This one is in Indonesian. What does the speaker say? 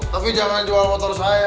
tapi jangan jual motor saya